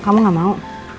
kamu gak mau